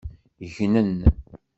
Gnen.